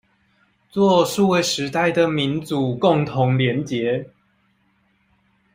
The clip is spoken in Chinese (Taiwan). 作為數位時代的民主共同連結